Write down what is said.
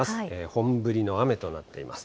本降りの雨となっています。